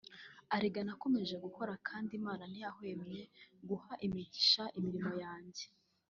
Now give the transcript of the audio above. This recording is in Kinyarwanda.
Erega nakomeje gukora kandi Imana ntiyahwemye guha umugisha imirimo yanjye